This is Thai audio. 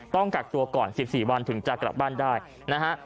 ต้องกักตัวก่อน๑๔วันถึงจะกลับบ้านได้นะฮะ